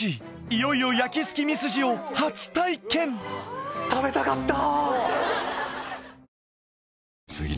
いよいよ焼きすきミスジを初体験食べたかった。